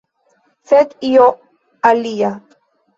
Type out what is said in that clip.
Sed io alia.